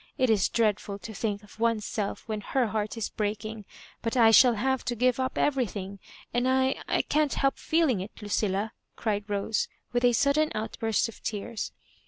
It is dreadful to think of one's self when her heart is breaking; but I shall have to give up everything ; and I — I can't help feeling i^ Lucilla," cried Rose, with a sud den putburst of tears.